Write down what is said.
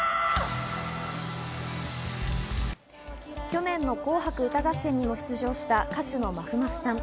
去年の『紅白歌合戦』にも出場した歌手のまふまふさん。